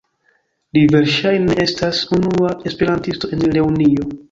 Li verŝajne estas la unua esperantisto en Reunio.